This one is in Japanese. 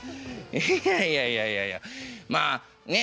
いやいやいやいやいやまあね